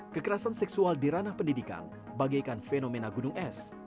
kekerasan seksual di ranah pendidikan bagaikan fenomena gunung es